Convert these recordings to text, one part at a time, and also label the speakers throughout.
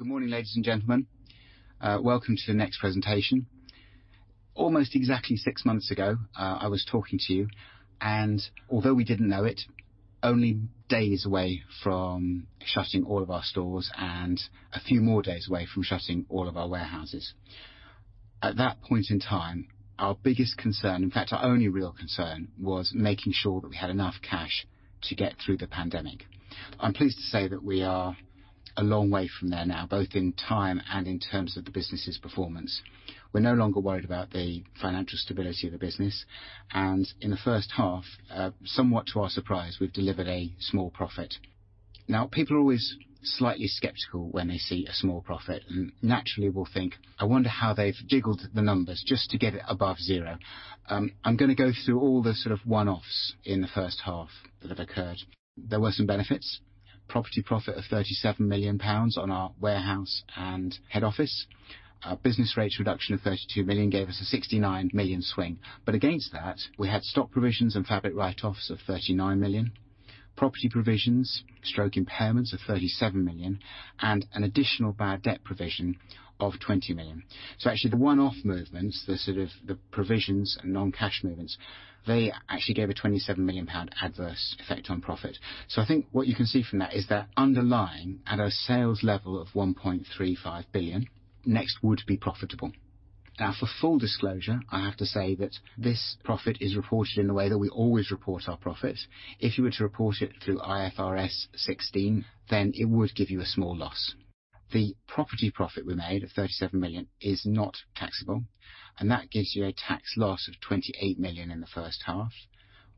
Speaker 1: Good morning, ladies and gentlemen. Welcome to the NEXT presentation. Almost exactly six months ago, I was talking to you and although we didn't know it, only days away from shutting all of our stores and a few more days away from shutting all of our warehouses. At that point in time, our biggest concern, in fact, our only real concern, was making sure that we had enough cash to get through the pandemic. I'm pleased to say that we are a long way from there now, both in time and in terms of the business's performance. We're no longer worried about the financial stability of the business, and in the first half, somewhat to our surprise, we've delivered a small profit. People are always slightly skeptical when they see a small profit and naturally will think, I wonder how they've jiggled the numbers just to get it above zero. I'm going to go through all the sort of one-offs in the first half that have occurred. There were some benefits, property profit of 37 million pounds on our warehouse and head office. Business rates reduction of 32 million gave us a 69 million swing. Against that, we had stock provisions and fabric write-offs of 39 million, property provisions or impairments of 37 million, and an additional bad debt provision of 20 million. Actually, the one-off movements, the sort of the provisions and non-cash movements, they actually gave a 27 million pound adverse effect on profit. I think what you can see from that is that underlying at a sales level of 1.35 billion, NEXT would be profitable. For full disclosure, I have to say that this profit is reported in the way that we always report our profit. If you were to report it through IFRS 16, then it would give you a small loss. The property profit we made of 37 million is not taxable, that gives you a tax loss of 28 million in the first half,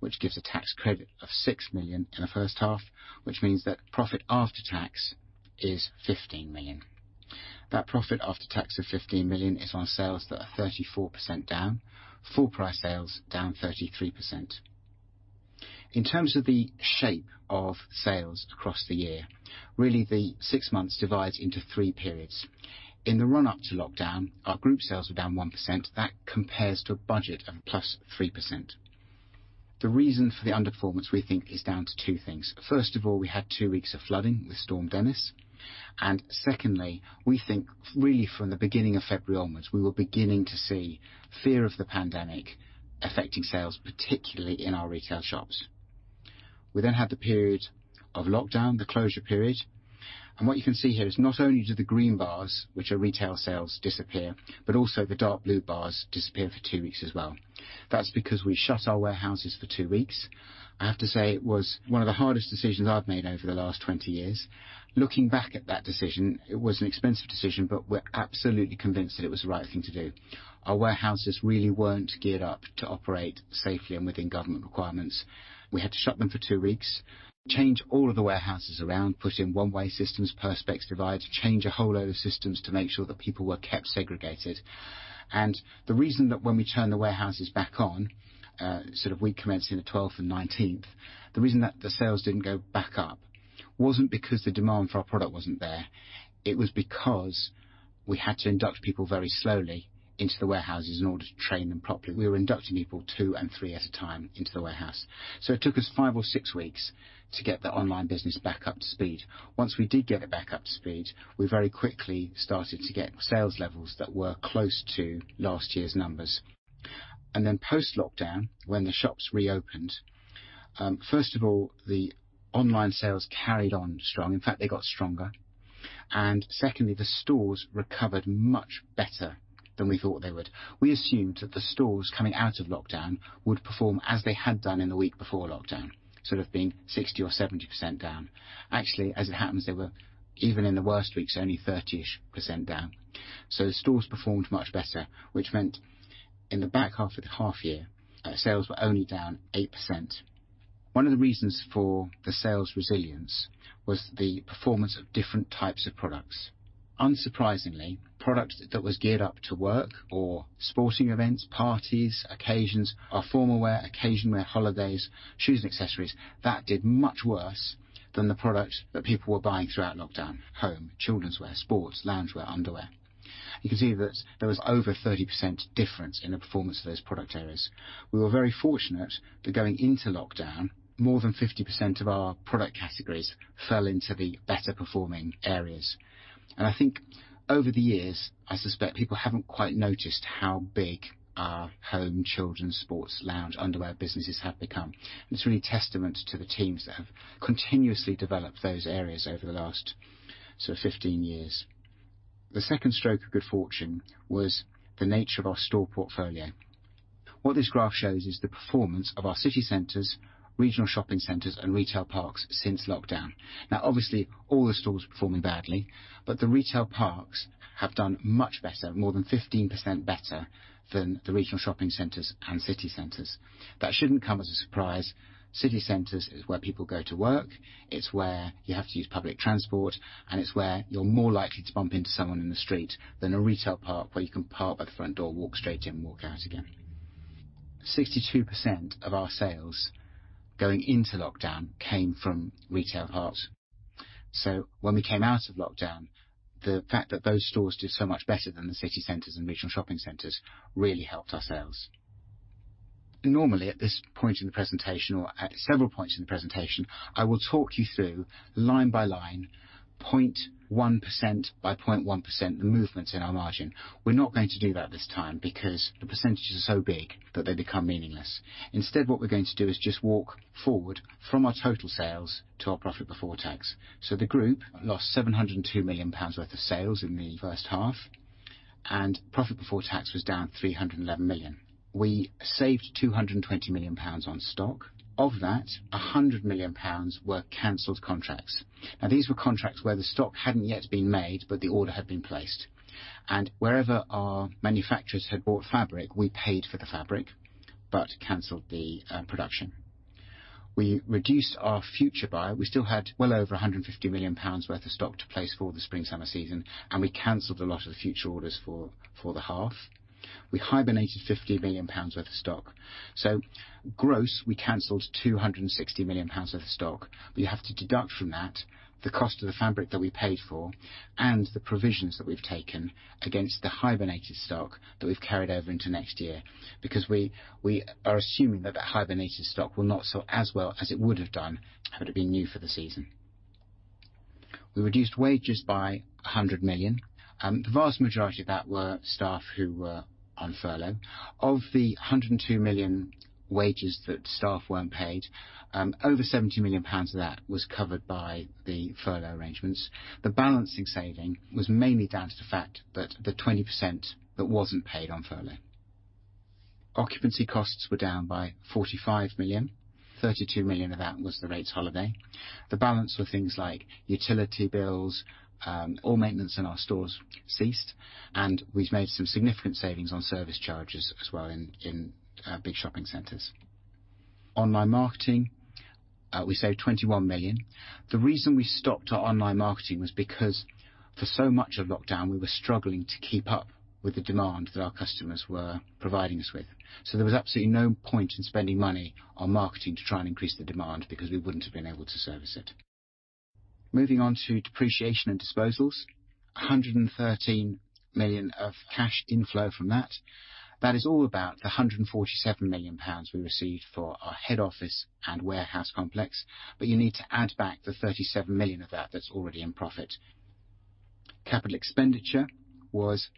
Speaker 1: which gives a tax credit of 6 million in the first half, which means that profit after tax is 15 million. That profit after tax of 15 million is on sales that are 34% down, full price sales down 33%. In terms of the shape of sales across the year, really the six months divides into three periods. In the run-up to lockdown, our group sales were down 1%. That compares to a budget of +3%. The reason for the underperformance we think is down to two things. First of all, we had two weeks of flooding with Storm Dennis, and secondly, we think really from the beginning of February onwards, we were beginning to see fear of the pandemic affecting sales, particularly in our retail shops. We then had the period of lockdown, the closure period, and what you can see here is not only do the green bars, which are retail sales disappear, but also the dark blue bars disappear for two weeks as well. That's because we shut our warehouses for two weeks. I have to say it was one of the hardest decisions I've made over the last 20 years. Looking back at that decision, it was an expensive decision, but we're absolutely convinced that it was the right thing to do. Our warehouses really weren't geared up to operate safely and within government requirements. We had to shut them for two weeks, change all of the warehouses around, put in one-way systems, perspex dividers, change a whole load of systems to make sure that people were kept segregated. The reason that when we turned the warehouses back on, sort of week commencing the 12th and 19th, the reason that the sales didn't go back up wasn't because the demand for our product wasn't there. It was because we had to induct people very slowly into the warehouses in order to train them properly. We were inducting people two and three at a time into the warehouse. It took us five or six weeks to get the online business back up to speed. Once we did get it back up to speed, we very quickly started to get sales levels that were close to last year's numbers. Post-lockdown when the shops reopened, first of all, the online sales carried on strong. In fact, they got stronger. Secondly, the stores recovered much better than we thought they would. We assumed that the stores coming out of lockdown would perform as they had done in the week before lockdown, sort of being 60% or 70% down. Actually, as it happens, they were even in the worst weeks, only 30-ish% down. The stores performed much better, which meant in the back half of the half year, sales were only down 8%. One of the reasons for the sales resilience was the performance of different types of products. Unsurprisingly, product that was geared up to work or sporting events, parties, occasions are formal wear, occasion wear, holidays, shoes, and accessories that did much worse than the product that people were buying throughout lockdown. Home, children's wear, sports, loungewear, underwear. You can see that there was over 30% difference in the performance of those product areas. We were very fortunate that going into lockdown, more than 50% of our product categories fell into the better performing areas. I think over the years, I suspect people haven't quite noticed how big our home, children's, sports, lounge, underwear businesses have become. It's really testament to the teams that have continuously developed those areas over the last sort of 15 years. The second stroke of good fortune was the nature of our store portfolio. What this graph shows is the performance of our city centers, regional shopping centers, and retail parks since lockdown. Obviously, all the stores were performing badly, but the retail parks have done much better, more than 15% better than the regional shopping centers and city centers. That shouldn't come as a surprise. City centers is where people go to work. It's where you have to use public transport, and it's where you're more likely to bump into someone in the street than a retail park where you can park by the front door, walk straight in, walk out again. 62% of our sales going into lockdown came from retail parks. When we came out of lockdown, the fact that those stores did so much better than the city centers and regional shopping centers really helped our sales. Normally at this point in the presentation or at several points in the presentation, I will talk you through line by line, 0.1% by 0.1%, the movements in our margin. We're not going to do that this time because the percentages are so big that they become meaningless. Instead, what we're going to do is just walk forward from our total sales to our profit before tax. The group lost 702 million pounds worth of sales in the first half, and profit before tax was down 311 million. We saved 220 million pounds on stock. Of that, 100 million pounds were canceled contracts. These were contracts where the stock hadn't yet been made, but the order had been placed. Wherever our manufacturers had bought fabric, we paid for the fabric but canceled the production. We reduced our future buy. We still had well over 150 million pounds worth of stock to place for the spring-summer season, and we canceled a lot of the future orders for the half. We hibernated 50 million pounds worth of stock. Gross, we cancelled 260 million pounds worth of stock. You have to deduct from that the cost of the fabric that we paid for and the provisions that we've taken against the hibernated stock that we've carried over into next year, because we are assuming that the hibernated stock will not sell as well as it would have done had it been new for the season. We reduced wages by 100 million. The vast majority of that were staff who were on furlough. Of the 102 million wages that staff weren't paid, over 70 million pounds of that was covered by the furlough arrangements. The balancing saving was mainly down to the fact that the 20% that wasn't paid on furlough. Occupancy costs were down by 45 million. 32 million of that was the rates holiday. The balance were things like utility bills, all maintenance in our stores ceased, and we've made some significant savings on service charges as well in big shopping centers. Online marketing, we saved 21 million. The reason we stopped our online marketing was because for so much of lockdown, we were struggling to keep up with the demand that our customers were providing us with. There was absolutely no point in spending money on marketing to try and increase the demand because we wouldn't have been able to service it. Moving on to depreciation and disposals, 113 million of cash inflow from that. That is all about the 147 million pounds we received for our head office and warehouse complex. You need to add back the 37 million of that that's already in profit. Capital expenditure was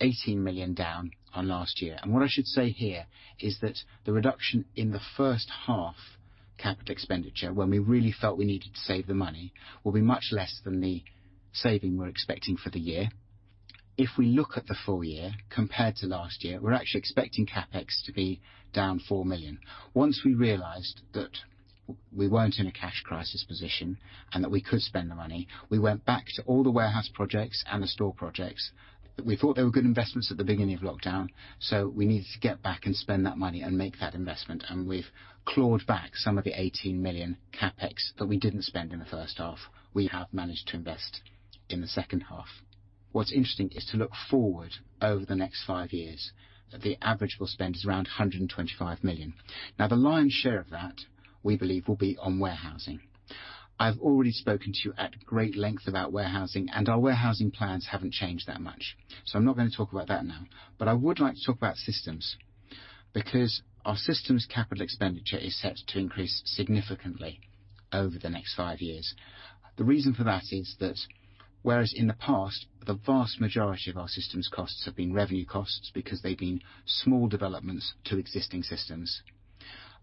Speaker 1: 18 million down on last year. What I should say here is that the reduction in the first half capital expenditure, when we really felt we needed to save the money, will be much less than the saving we're actually expecting for the year. If we look at the full year compared to last year, we're actually expecting CapEx to be down 4 million. Once we realized that we weren't in a cash crisis position and that we could spend the money, we went back to all the warehouse projects and the store projects that we thought they were good investments at the beginning of lockdown, so we needed to get back and spend that money and make that investment. We've clawed back some of the 18 million CapEx that we didn't spend in the first half. We have managed to invest in the second half. What's interesting is to look forward over the next five years, the average we'll spend is around 125 million. Now, the lion's share of that, we believe, will be on warehousing. I've already spoken to you at great length about warehousing, and our warehousing plans haven't changed that much. I'm not going to talk about that now. I would like to talk about systems, because our systems CapEx is set to increase significantly over the next five years. The reason for that is that whereas in the past, the vast majority of our systems costs have been revenue costs because they've been small developments to existing systems.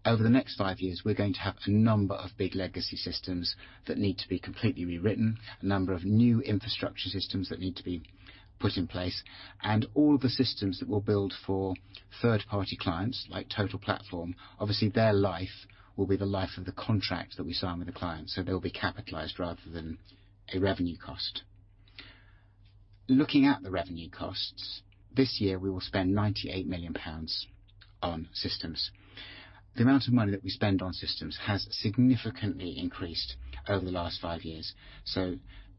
Speaker 1: Over the next five years, we're going to have a number of big legacy systems that need to be completely rewritten, a number of new infrastructure systems that need to be put in place, and all the systems that we'll build for third-party clients, like Total Platform, obviously, their life will be the life of the contract that we sign with the client, so they'll be capitalized rather than a revenue cost. Looking at the revenue costs, this year, we will spend 98 million pounds on systems. The amount of money that we spend on systems has significantly increased over the last five years.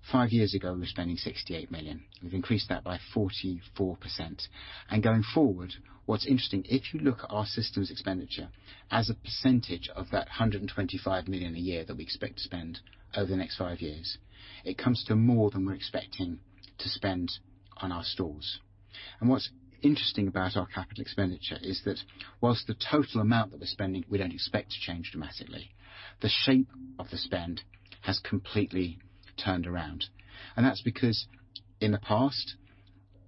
Speaker 1: Five years ago, we were spending 68 million. We've increased that by 44%. Going forward, what's interesting, if you look at our systems expenditure as a percentage of that 125 million a year that we expect to spend over the next five years, it comes to more than we're expecting to spend on our stores. What's interesting about our capital expenditure is that whilst the total amount that we're spending we don't expect to change dramatically, the shape of the spend has completely turned around. That's because in the past,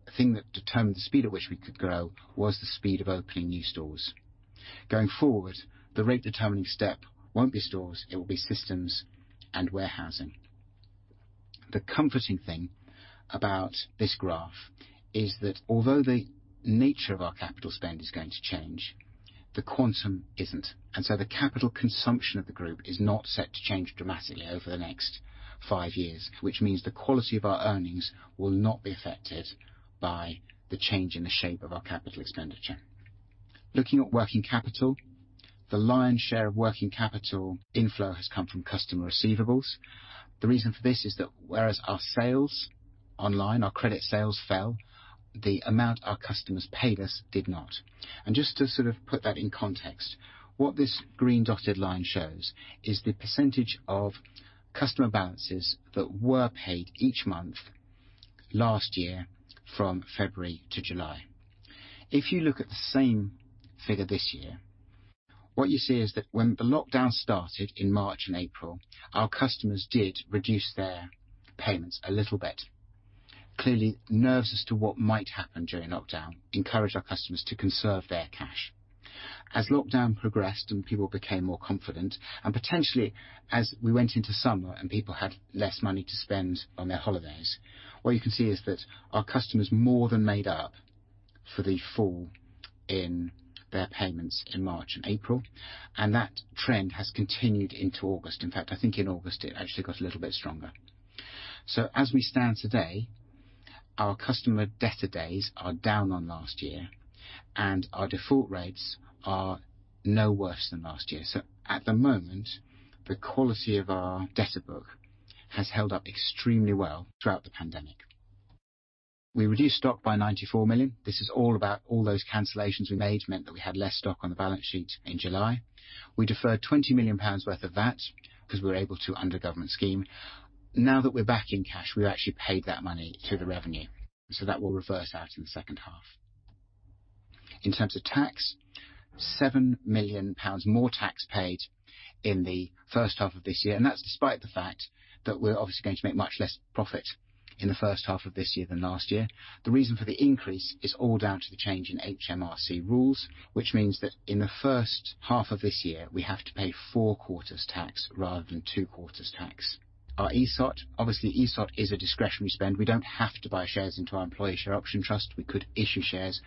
Speaker 1: the thing that determined the speed at which we could grow was the speed of opening new stores. Going forward, the rate determining step won't be stores, it will be systems and warehousing. The comforting thing about this graph is that although the nature of our capital spend is going to change, the quantum isn't. The capital consumption of the group is not set to change dramatically over the next five years, which means the quality of our earnings will not be affected by the change in the shape of our capital expenditure. Looking at working capital, the lion's share of working capital inflow has come from customer receivables. The reason for this is that whereas our sales online, our credit sales fell, the amount our customers paid us did not. To sort of put that in context. What this green dotted line shows is the percentage of customer balances that were paid each month last year from February to July. If you look at the same figure this year, what you see is that when the lockdown started in March and April, our customers did reduce their payments a little bit. Clearly, nerves as to what might happen during lockdown encouraged our customers to conserve their cash. As lockdown progressed and people became more confident, and potentially as we went into summer and people had less money to spend on their holidays, what you can see is that our customers more than made up for the fall in their payments in March and April, and that trend has continued into August. In fact, I think in August it actually got a little bit stronger. As we stand today, our customer debtor days are down on last year, and our default rates are no worse than last year. At the moment, the quality of our debtor book has held up extremely well throughout the pandemic. We reduced stock by 94 million. This is all about all those cancellations we made meant that we had less stock on the balance sheet in July. We deferred 20 million pounds worth of that because we were able to under government scheme. Now that we're back in cash, we've actually paid that money to the revenue, so that will reverse out in the second half. In terms of tax, 7 million pounds more tax paid in the first half of this year, and that's despite the fact that we're obviously going to make much less profit in the first half of this year than last year. The reason for the increase is all down to the change in HMRC rules, which means that in the first half of this year, we have to pay four quarters tax rather than two quarters tax. Our ESOP, obviously, ESOP is a discretionary spend. We don't have to buy shares into our employee share option trust. We could issue shares.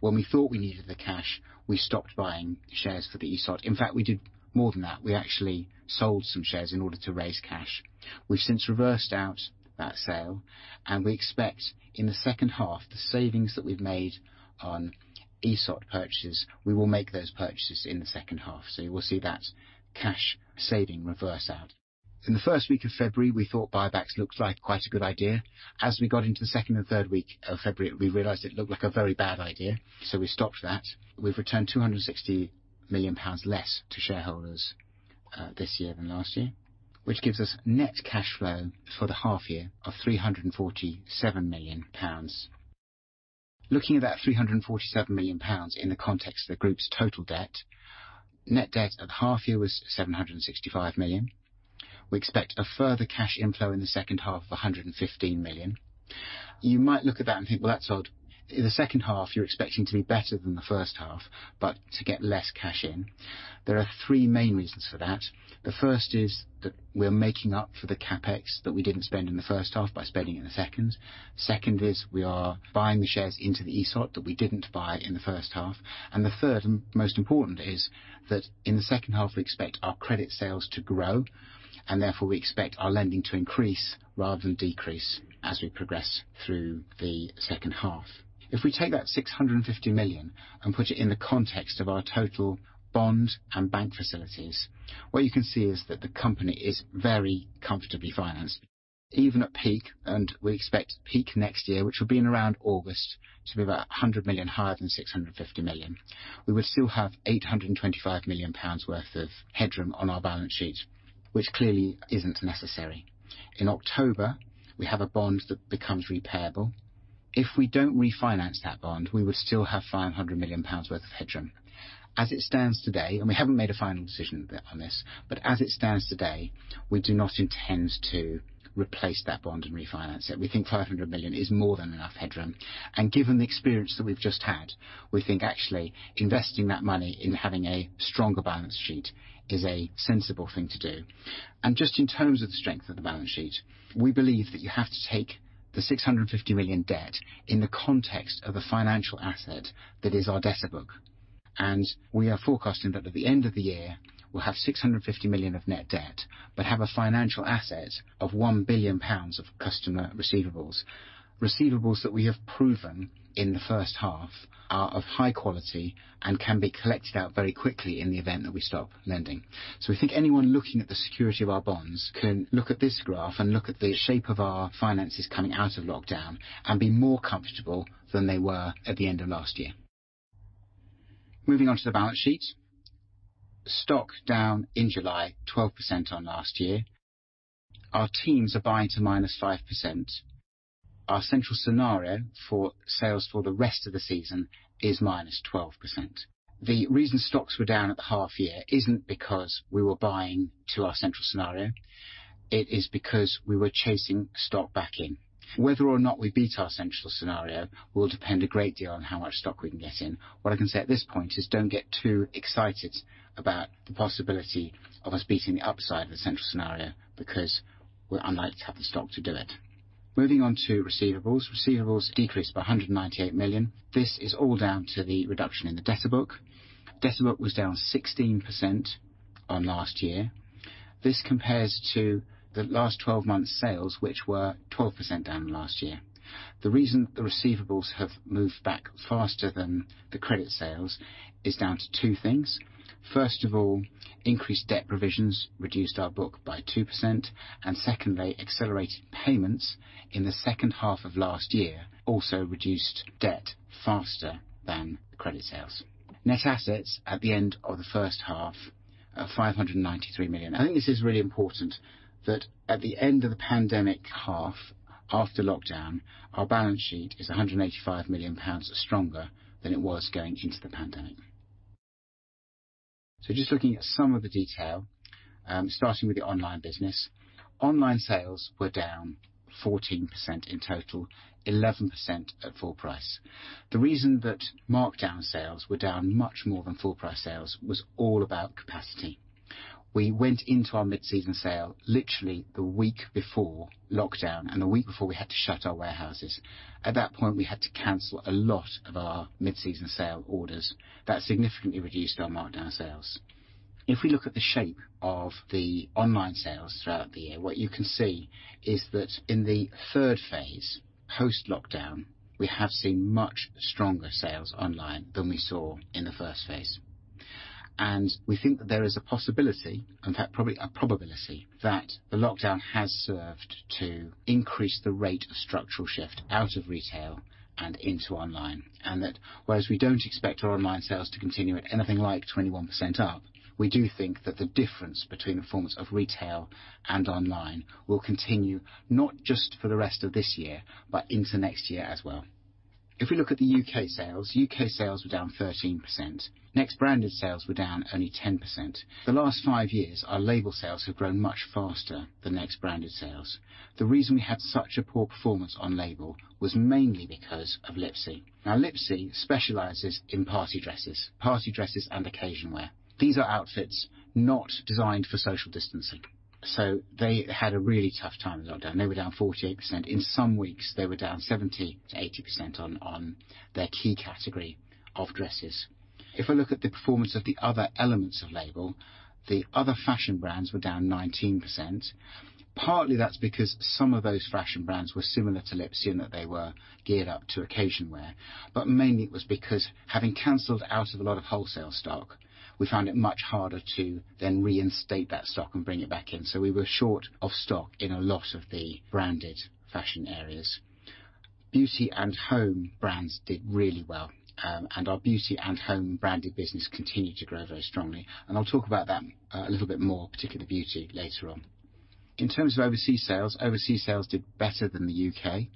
Speaker 1: When we thought we needed the cash, we stopped buying shares for the ESOP. In fact, we did more than that. We actually sold some shares in order to raise cash. We've since reversed out that sale, and we expect in the second half, the savings that we've made on ESOP purchases, we will make those purchases in the second half. You will see that cash saving reverse out. In the first week of February, we thought buybacks looked like quite a good idea. We got into the second and third week of February, we realized it looked like a very bad idea, we stopped that. We've returned 260 million pounds less to shareholders this year than last year, which gives us net cash flow for the half year of 347 million pounds. Looking at that 347 million pounds in the context of the group's total debt, net debt at the half year was 765 million. We expect a further cash inflow in the second half of 115 million. You might look at that and think, "Well, that's odd." In the second half, you're expecting to be better than the first half, to get less cash in. There are three main reasons for that. The first is that we're making up for the CapEx that we didn't spend in the first half by spending in the second. Second is we are buying the shares into the ESOP that we didn't buy in the first half. The third, and most important, is that in the second half, we expect our credit sales to grow, and therefore, we expect our lending to increase rather than decrease as we progress through the second half. If we take that 650 million and put it in the context of our total bond and bank facilities, what you can see is that the company is very comfortably financed. Even at peak, and we expect peak next year, which will be in around August, to be about 100 million higher than 650 million. We would still have 825 million pounds worth of headroom on our balance sheet, which clearly isn't necessary. In October, we have a bond that becomes repayable. If we don't refinance that bond, we would still have 500 million pounds worth of headroom. As it stands today, and we haven't made a final decision on this, but as it stands today, we do not intend to replace that bond and refinance it. We think 500 million is more than enough headroom, and given the experience that we've just had, we think actually investing that money in having a stronger balance sheet is a sensible thing to do. Just in terms of the strength of the balance sheet, we believe that you have to take the 650 million debt in the context of a financial asset that is our debtor book. We are forecasting that at the end of the year, we'll have 650 million of net debt, but have a financial asset of 1 billion pounds of customer receivables. Receivables that we have proven in the first half are of high quality and can be collected out very quickly in the event that we stop lending. We think anyone looking at the security of our bonds can look at this graph and look at the shape of our finances coming out of lockdown and be more comfortable than they were at the end of last year. Moving on to the balance sheet. Stock down in July, 12% on last year. Our teams are buying to minus 5%. Our central scenario for sales for the rest of the season is -12%. The reason stocks were down at the half year isn't because we were buying to our central scenario. It is because we were chasing stock back in. Whether or not we beat our central scenario will depend a great deal on how much stock we can get in. What I can say at this point is don't get too excited about the possibility of us beating the upside of the central scenario because we're unlikely to have the stock to do it. Moving on to receivables. Receivables decreased by 198 million. This is all down to the reduction in the debtor book. Debtor book was down 16% on last year. This compares to the last 12 months sales, which were 12% down last year. The reason the receivables have moved back faster than the credit sales is down to two things. First of all, increased debt provisions reduced our book by 2%, and secondly, accelerated payments in the second half of last year also reduced debt faster than credit sales. Net assets at the end of the first half are 593 million. I think this is really important that at the end of the pandemic half, after lockdown, our balance sheet is 185 million pounds stronger than it was going into the pandemic. Just looking at some of the detail, starting with the online business. Online sales were down 14% in total, 11% at full price. The reason that markdown sales were down much more than full price sales was all about capacity. We went into our mid-season sale literally the week before lockdown and the week before we had to shut our warehouses. At that point, we had to cancel a lot of our mid-season sale orders. That significantly reduced our markdown sales. If we look at the shape of the online sales throughout the year, what you can see is that in the third phase, post-lockdown, we have seen much stronger sales online than we saw in the first phase. We think that there is a possibility, in fact, probably a probability, that the lockdown has served to increase the rate of structural shift out of retail and into online, and that whereas we don't expect our online sales to continue at anything like 21% up, we do think that the difference between the performance of retail and online will continue, not just for the rest of this year, but into next year as well. If we look at the U.K. sales, U.K. sales were down 13%. NEXT branded sales were down only 10%. The last five years, our Label sales have grown much faster than NEXT branded sales. The reason we had such a poor performance on Label was mainly because of Lipsy. Lipsy specializes in party dresses and occasion wear. These are outfits not designed for social distancing. They had a really tough time in lockdown. They were down 48%. In some weeks, they were down 70%-80% on their key category of dresses. If I look at the performance of the other elements of Label, the other fashion brands were down 19%. Partly that's because some of those fashion brands were similar to Lipsy in that they were geared up to occasion wear. Mainly it was because having canceled out of a lot of wholesale stock, we found it much harder to then reinstate that stock and bring it back in. We were short of stock in a lot of the branded fashion areas. Beauty and home brands did really well, and our beauty and home branded business continued to grow very strongly. I'll talk about that a little bit more, particularly beauty, later on. In terms of overseas sales, overseas sales did better than the U.K.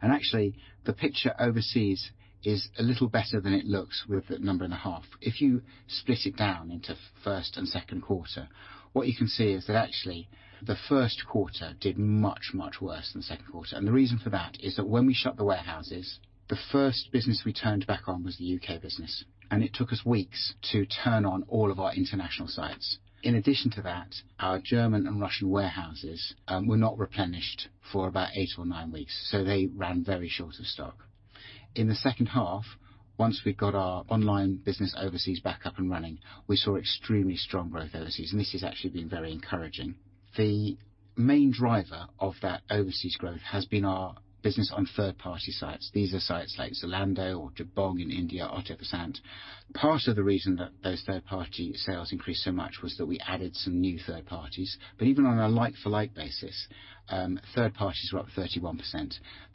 Speaker 1: Actually, the picture overseas is a little better than it looks with the number and a half. If you split it down into first and second quarter, what you can see is that actually the first quarter did much, much worse than the second quarter. The reason for that is that when we shut the warehouses, the first business we turned back on was the U.K. business, and it took us weeks to turn on all of our international sites. In addition to that, our German and Russian warehouses were not replenished for about eight or nine weeks, so they ran very short of stock. In the second half, once we got our online business overseas back up and running, we saw extremely strong growth overseas, and this has actually been very encouraging. The main driver of that overseas growth has been our business on third-party sites. These are sites like Zalando or Jabong in India, Art of Sand. Part of the reason that those third-party sales increased so much was that we added some new third parties. Even on a like-for-like basis, third parties were up 31%.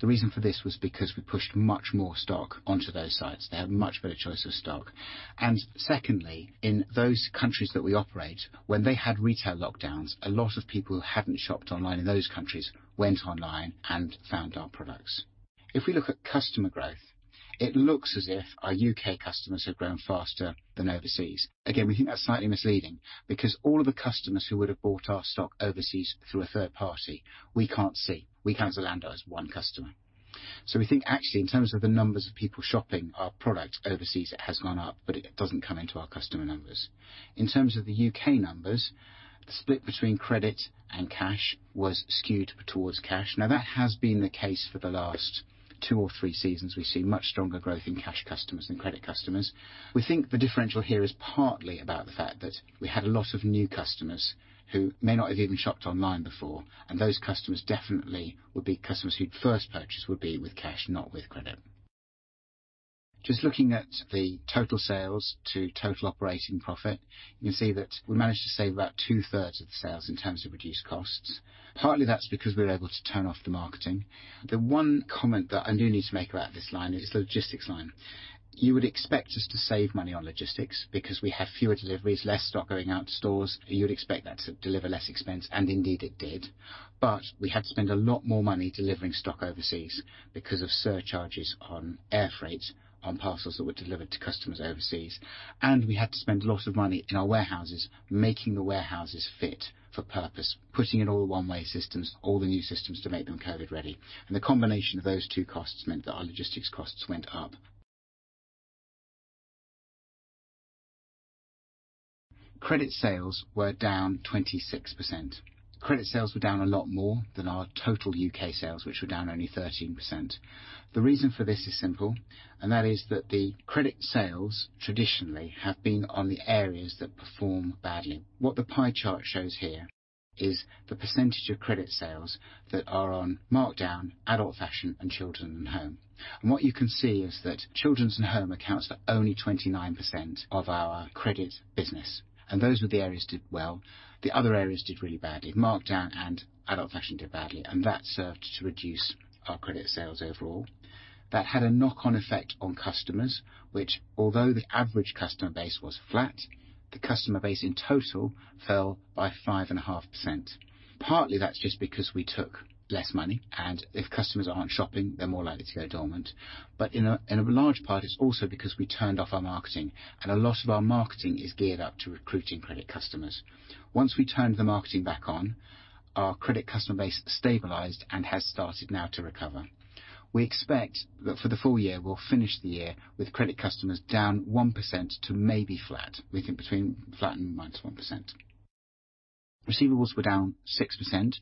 Speaker 1: The reason for this was because we pushed much more stock onto those sites. They had much better choice of stock. Secondly, in those countries that we operate, when they had retail lockdowns, a lot of people who hadn't shopped online in those countries went online and found our products. If we look at customer growth, it looks as if our U.K. customers have grown faster than overseas. Again, we think that's slightly misleading because all of the customers who would have bought our stock overseas through a third party, we can't see. We count Zalando as one customer. We think actually, in terms of the numbers of people shopping our product overseas, it has gone up, but it doesn't come into our customer numbers. In terms of the U.K. numbers, the split between credit and cash was skewed towards cash. Now, that has been the case for the last two or three seasons. We've seen much stronger growth in cash customers than credit customers. We think the differential here is partly about the fact that we had a lot of new customers who may not have even shopped online before, and those customers definitely would be customers whose first purchase would be with cash, not with credit. Just looking at the total sales to total operating profit, you can see that we managed to save about two-thirds of the sales in terms of reduced costs. Partly that's because we were able to turn off the marketing. The one comment that I do need to make about this line is the logistics line. You would expect us to save money on logistics because we have fewer deliveries, less stock going out to stores. You would expect that to deliver less expense, and indeed it did. We had to spend a lot more money delivering stock overseas because of surcharges on air freight on parcels that were delivered to customers overseas. We had to spend a lot of money in our warehouses making the warehouses fit for purpose, putting in all the one-way systems, all the new systems to make them COVID ready. The combination of those two costs meant that our logistics costs went up. Credit sales were down 26%. Credit sales were down a lot more than our total U.K. sales, which were down only 13%. The reason for this is simple, and that is that the credit sales traditionally have been on the areas that perform badly. What the pie chart shows here is the percentage of credit sales that are on markdown adult fashion and children and home. What you can see is that children's and home accounts for only 29% of our credit business, and those were the areas did well. The other areas did really badly. Markdown and adult fashion did badly, and that served to reduce our credit sales overall. That had a knock-on effect on customers, which although the average customer base was flat, the customer base in total fell by 5.5%. Partly that's just because we took less money, and if customers aren't shopping, they're more likely to go dormant. In a large part, it's also because we turned off our marketing, and a lot of our marketing is geared up to recruiting credit customers. Once we turned the marketing back on, our credit customer base stabilized and has started now to recover. We expect that for the full year, we'll finish the year with credit customers down 1% to maybe flat. We think between flat and -1%. Receivables were down 6%.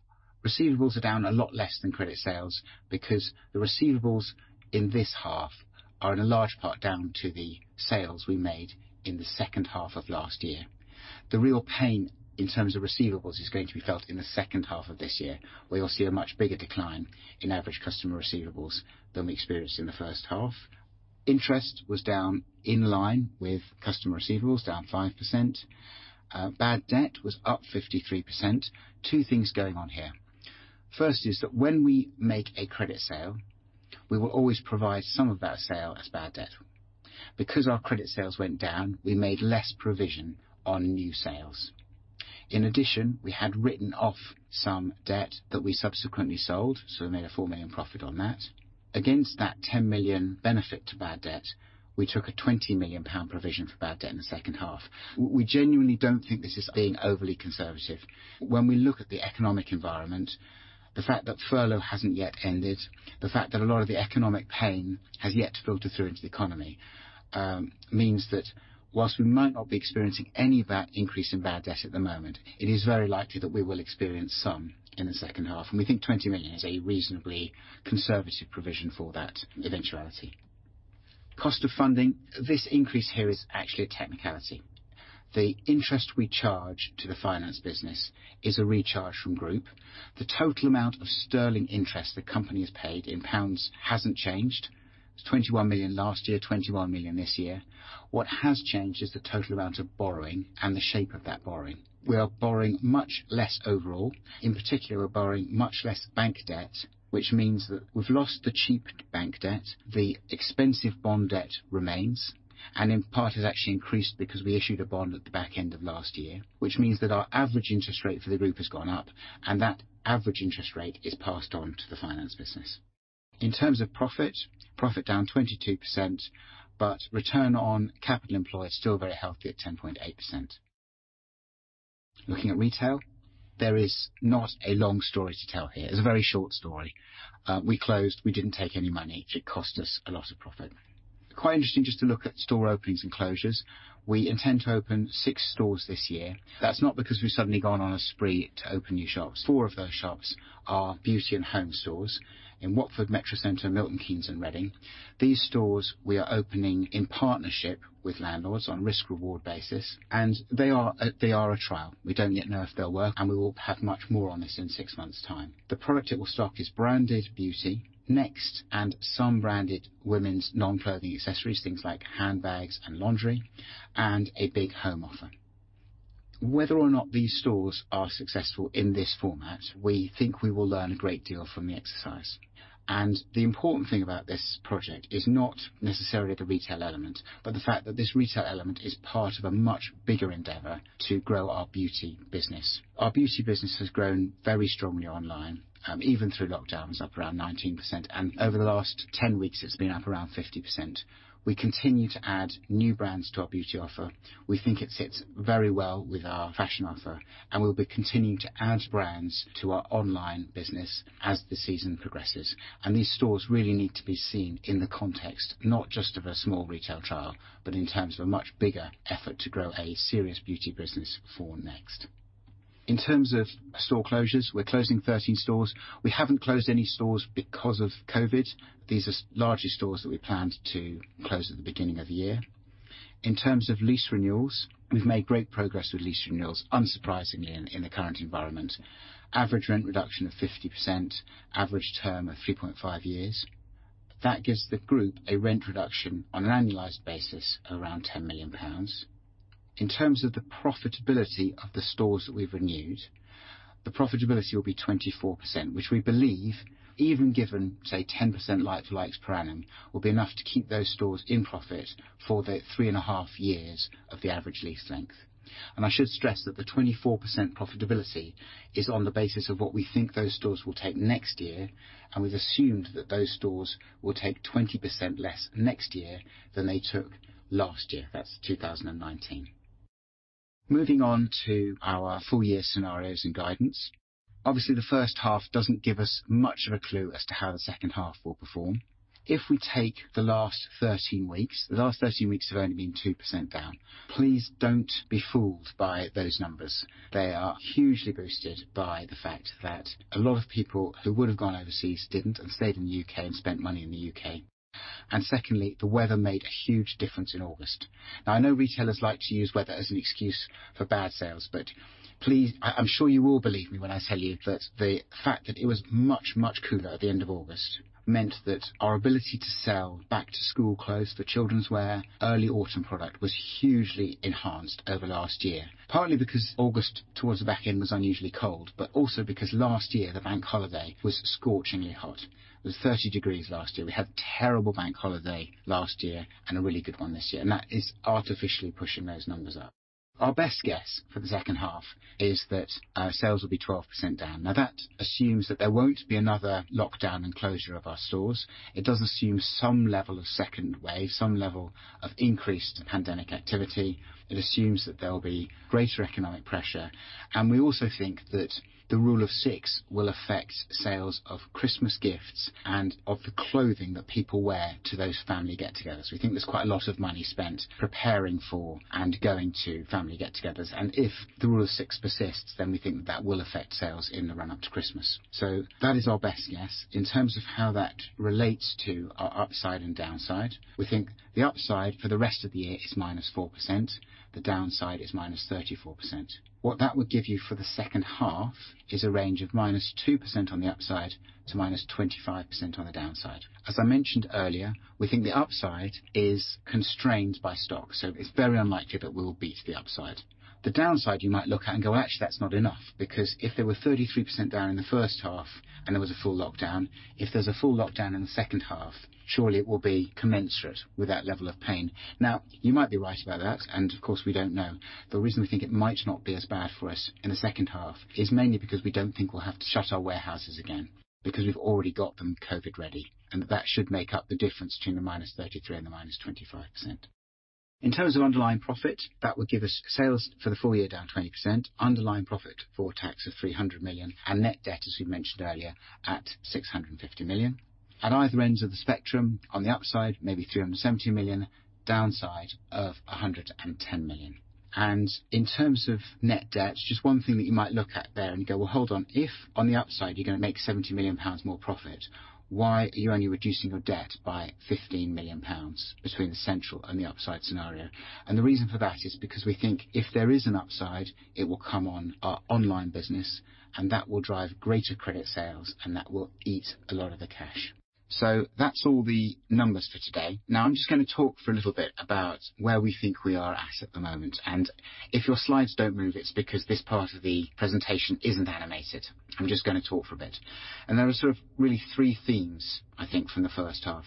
Speaker 1: Receivables are down a lot less than credit sales because the receivables in this half are in a large part down to the sales we made in the second half of last year. The real pain in terms of receivables is going to be felt in the second half of this year where you'll see a much bigger decline in average customer receivables than we experienced in the first half. Interest was down in line with customer receivables, down 5%. Bad debt was up 53%. Two things going on here. First is that when we make a credit sale, we will always provide some of that sale as bad debt. Our credit sales went down, we made less provision on new sales. In addition, we had written off some debt that we subsequently sold, we made a 4 million profit on that. Against that 10 million benefit to bad debt, we took a 20 million pound provision for bad debt in the second half. We genuinely don't think this is being overly conservative. When we look at the economic environment, the fact that furlough hasn't yet ended, the fact that a lot of the economic pain has yet to filter through into the economy, means that whilst we might not be experiencing any of that increase in bad debt at the moment, it is very likely that we will experience some in the second half, and we think 20 million is a reasonably conservative provision for that eventuality. Cost of funding. This increase here is actually a technicality. The interest we charge to the finance business is a recharge from Group. The total amount of sterling interest the company has paid in GBP hasn't changed. It's 21 million last year, 21 million this year. What has changed is the total amount of borrowing and the shape of that borrowing. We are borrowing much less overall. In particular, we're borrowing much less bank debt, which means that we've lost the cheap bank debt. The expensive bond debt remains, and in part has actually increased because we issued a bond at the back end of last year, which means that our average interest rate for the group has gone up, and that average interest rate is passed on to the finance business. In terms of profit down 22%, but Return on Capital Employed still very healthy at 10.8%. Looking at retail, there is not a long story to tell here. It's a very short story. We closed. We didn't take any money. It cost us a lot of profit. Quite interesting just to look at store openings and closures. We intend to open six stores this year. That's not because we've suddenly gone on a spree to open new shops. Four of those shops are beauty and home stores in Watford Metrocentre, Milton Keynes, and Reading. These stores we are opening in partnership with landlords on risk reward basis, and they are a trial. We don't yet know if they'll work, and we will have much more on this in six months' time. The product it will stock is branded beauty, NEXT, and some branded women's non-clothing accessories, things like handbags and lingerie, and a big home offer. Whether or not these stores are successful in this format, we think we will learn a great deal from the exercise, and the important thing about this project is not necessarily the retail element, but the fact that this retail element is part of a much bigger endeavor to grow our beauty business. Our beauty business has grown very strongly online, even through lockdowns, up around 19%, and over the last 10 weeks, it's been up around 50%. We continue to add new brands to our beauty offer. We think it sits very well with our fashion offer, and we'll be continuing to add brands to our online business as the season progresses. These stores really need to be seen in the context, not just of a small retail trial, but in terms of a much bigger effort to grow a serious beauty business for NEXT. In terms of store closures, we're closing 13 stores. We haven't closed any stores because of COVID. These are largely stores that we planned to close at the beginning of the year. In terms of lease renewals, we've made great progress with lease renewals, unsurprisingly in the current environment. Average rent reduction of 50%, average term of 3.5 years. That gives the group a rent reduction on an annualized basis around 10 million pounds. In terms of the profitability of the stores that we've renewed, the profitability will be 24%, which we believe even given, say, 10% like for likes per annum, will be enough to keep those stores in profit for the 3.5 years of the average lease length. I should stress that the 24% profitability is on the basis of what we think those stores will take next year, and we've assumed that those stores will take 20% less next year than they took last year. That's 2019. Moving on to our full year scenarios and guidance. Obviously, the first half doesn't give us much of a clue as to how the second half will perform. If we take the last 13 weeks, the last 13 weeks have only been 2% down. Please don't be fooled by those numbers. They are hugely boosted by the fact that a lot of people who would have gone overseas didn't and stayed in the U.K. and spent money in the U.K. Secondly, the weather made a huge difference in August. I know retailers like to use weather as an excuse for bad sales, but please, I'm sure you will believe me when I tell you that the fact that it was much, much cooler at the end of August meant that our ability to sell back-to-school clothes for children's wear, early autumn product, was hugely enhanced over last year. Partly because August, towards the back end, was unusually cold, but also because last year the bank holiday was scorchingly hot. It was 30 degrees last year. We had a terrible bank holiday last year and a really good one this year, and that is artificially pushing those numbers up. Our best guess for the second half is that sales will be 12% down. That assumes that there won't be another lockdown and closure of our stores. It does assume some level of second wave, some level of increased pandemic activity. It assumes that there'll be greater economic pressure. We also think that the rule of six will affect sales of Christmas gifts and of the clothing that people wear to those family get-togethers. We think there's quite a lot of money spent preparing for and going to family get-togethers. If the rule of six persists, then we think that will affect sales in the run-up to Christmas. That is our best guess. In terms of how that relates to our upside and downside, we think the upside for the rest of the year is -4%, the downside is -34%. What that would give you for the second half is a range of -2% to -25%. As I mentioned earlier, we think the upside is constrained by stock, so it's very unlikely that we'll beat the upside. The downside you might look at and go, actually, that's not enough because if there were 33% down in the first half and there was a full lockdown, if there's a full lockdown in the second half, surely it will be commensurate with that level of pain. You might be right about that, and of course, we don't know. The reason we think it might not be as bad for us in the second half is mainly because we don't think we'll have to shut our warehouses again because we've already got them COVID-ready, that that should make up the difference between the -33% and the -25%. In terms of underlying profit, that would give us sales for the full year down 20%, underlying profit before tax of 300 million and net debt, as we mentioned earlier, at 650 million. At either ends of the spectrum, on the upside, maybe 370 million, downside of 110 million. In terms of net debt, just one thing that you might look at there and go, well, hold on. If on the upside you're going to make 70 million pounds more profit, why are you only reducing your debt by 15 million pounds between the central and the upside scenario? The reason for that is because we think if there is an upside, it will come on our online business, and that will drive greater credit sales, and that will eat a lot of the cash. That's all the numbers for today. Now I'm just going to talk for a little bit about where we think we are at at the moment. If your slides don't move, it's because this part of the presentation isn't animated. I'm just going to talk for a bit. There are really three themes, I think, from the first half.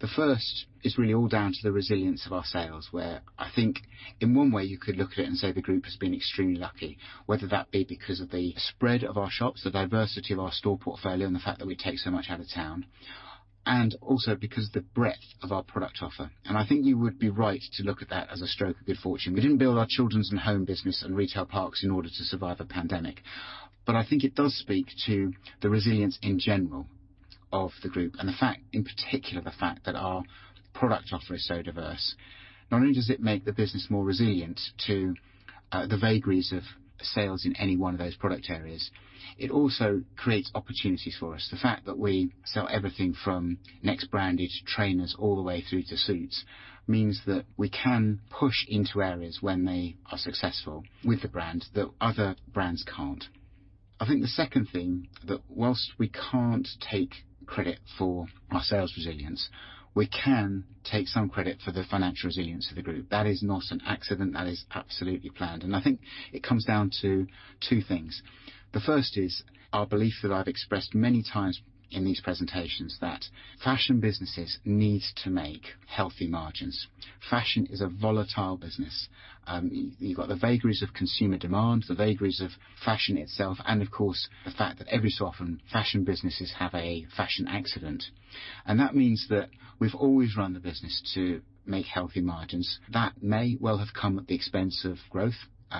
Speaker 1: The first is really all down to the resilience of our sales, where I think in one way you could look at it and say the group has been extremely lucky, whether that be because of the spread of our shops, the diversity of our store portfolio, and the fact that we take so much out of town. Also because the breadth of our product offer. I think you would be right to look at that as a stroke of good fortune. We didn't build our children's and home business and retail parks in order to survive a pandemic. I think it does speak to the resilience in general of the group and in particular, the fact that our product offer is so diverse. Not only does it make the business more resilient to the vagaries of sales in any one of those product areas, it also creates opportunities for us. The fact that we sell everything from NEXT branded trainers all the way through to suits means that we can push into areas when they are successful with the brand that other brands can't. I think the second thing that whilst we can't take credit for our sales resilience, we can take some credit for the financial resilience of the group. That is not an accident. That is absolutely planned. I think it comes down to two things. The first is our belief that I've expressed many times in these presentations that fashion businesses need to make healthy margins. Fashion is a volatile business. You've got the vagaries of consumer demand, the vagaries of fashion itself, and of course, the fact that every so often fashion businesses have a fashion accident. That means that we've always run the business to make healthy margins. That may well have come at the expense of growth,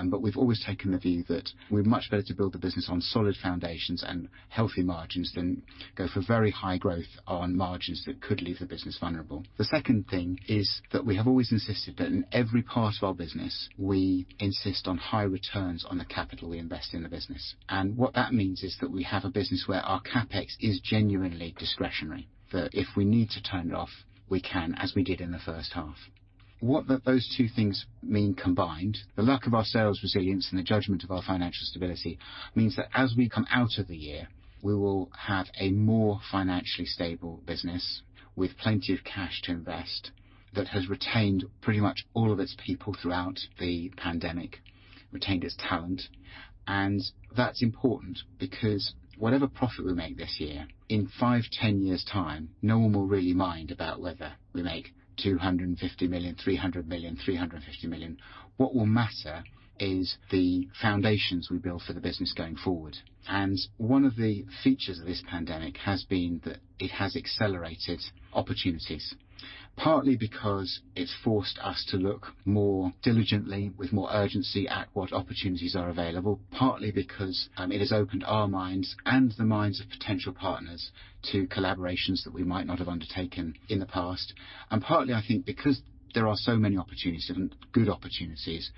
Speaker 1: but we've always taken the view that we're much better to build the business on solid foundations and healthy margins than go for very high growth on margins that could leave the business vulnerable. The second thing is that we have always insisted that in every part of our business, we insist on high returns on the capital we invest in the business. What that means is that we have a business where our CapEx is genuinely discretionary, that if we need to turn it off, we can, as we did in the first half. What those two things mean combined, the luck of our sales resilience and the judgment of our financial stability, means that as we come out of the year, we will have a more financially stable business with plenty of cash to invest that has retained pretty much all of its people throughout the pandemic, retained its talent, and that's important because whatever profit we make this year, in five, 10 years' time, no one will really mind about whether we make 250 million, 300 million, 350 million. What will matter is the foundations we build for the business going forward. One of the features of this pandemic has been that it has accelerated opportunities, partly because it's forced us to look more diligently with more urgency at what opportunities are available, partly because it has opened our minds and the minds of potential partners to collaborations that we might not have undertaken in the past. Partly, I think, because there are so many opportunities and good opportunities,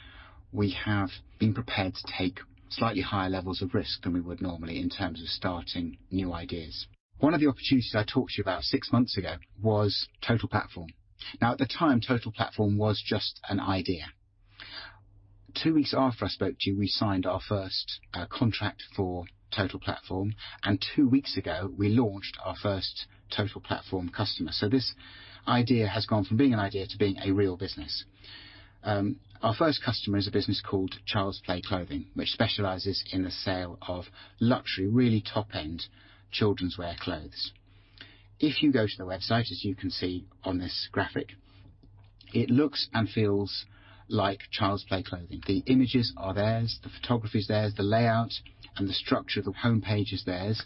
Speaker 1: we have been prepared to take slightly higher levels of risk than we would normally in terms of starting new ideas. One of the opportunities I talked to you about six months ago was Total Platform. Now, at the time, Total Platform was just an idea. Two weeks after I spoke to you, we signed our first contract for Total Platform, and two weeks ago, we launched our first Total Platform customer. This idea has gone from being an idea to being a real business. Our first customer is a business called Childsplay Clothing, which specializes in the sale of luxury, really top-end children's wear clothes. If you go to their website, as you can see on this graphic, it looks and feels like Childsplay Clothing. The images are theirs, the photography is theirs, the layout and the structure of the homepage is theirs.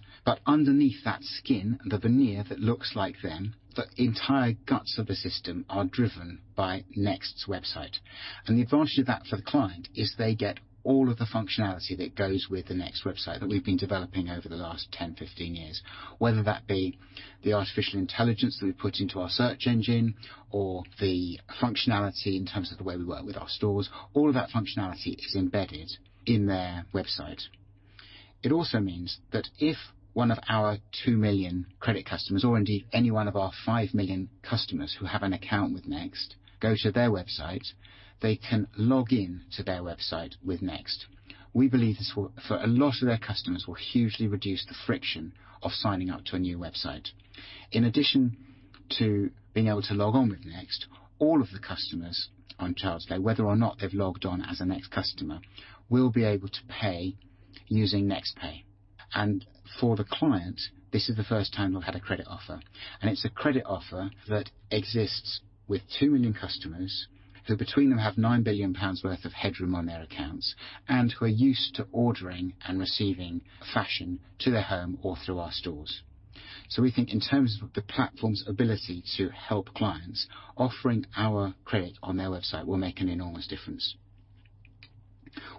Speaker 1: Underneath that skin and the veneer that looks like them, the entire guts of the system are driven by NEXT's website. The advantage of that for the client is they get all of the functionality that goes with the NEXT website that we've been developing over the last 10, 15 years, whether that be the artificial intelligence that we put into our search engine or the functionality in terms of the way we work with our stores. All of that functionality is embedded in their website. It also means that if one of our 2 million credit customers, or indeed any one of our 5 million customers who have an account with NEXT go to their website, they can log in to their website with NEXT. We believe this, for a lot of their customers, will hugely reduce the friction of signing up to a new website. In addition to being able to log on with NEXT, all of the customers on Childsplay, whether or not they've logged on as a NEXT customer, will be able to pay using nextpay. For the client, this is the first time they'll have a credit offer. It's a credit offer that exists with 2 million customers who between them have 9 billion pounds worth of headroom on their accounts and who are used to ordering and receiving fashion to their home or through our stores. We think in terms of the platform's ability to help clients, offering our credit on their website will make an enormous difference.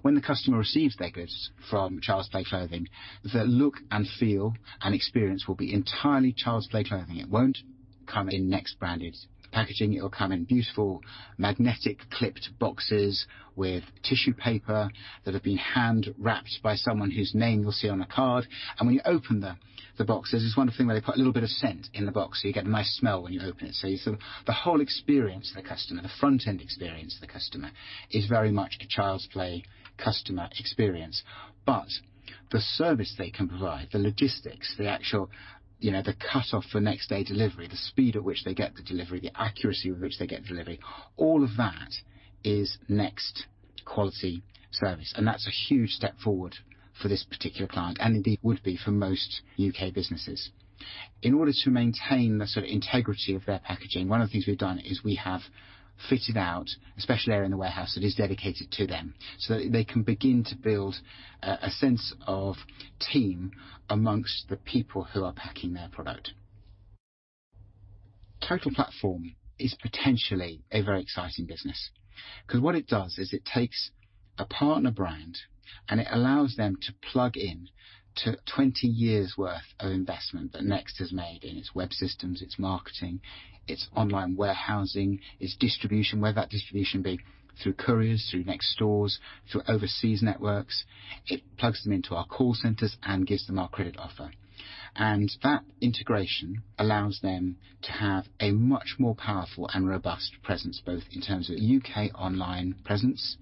Speaker 1: When the customer receives their goods from Childsplay Clothing, the look and feel and experience will be entirely Childsplay Clothing. It won't come in NEXT branded packaging. It'll come in beautiful magnetic clipped boxes with tissue paper that have been hand-wrapped by someone whose name you'll see on a card. When you open the boxes, there's one thing where they put a little bit of scent in the box, so you get a nice smell when you open it. The whole experience for the customer, the front-end experience for the customer, is very much a Child's Play customer experience. The service they can provide, the logistics, the actual cutoff for next-day delivery, the speed at which they get the delivery, the accuracy with which they get delivery, all of that is NEXT quality service, and that's a huge step forward for this particular client, and indeed would be for most U.K. businesses. In order to maintain the integrity of their packaging, one of the things we've done is we have fitted out a special area in the warehouse that is dedicated to them so that they can begin to build a sense of team amongst the people who are packing their product. Total Platform is potentially a very exciting business because what it does is it takes a partner brand, and it allows them to plug in to 20 years' worth of investment that NEXT has made in its web systems, its marketing, its online warehousing, its distribution, whether that distribution be through couriers, through NEXT stores, through overseas networks. It plugs them into our call centers and gives them our credit offer. That integration allows them to have a much more powerful and robust presence, both in terms of U.K. online presence,